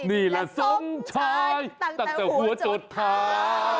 นี่แหละสมชายตั้งแต่หัวจดเท้า